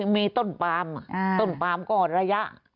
มีต้นปลามก็ระยะ